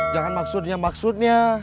jangan maksudnya maksudnya